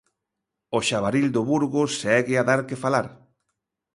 O xabaril do Burgo segue a dar que falar.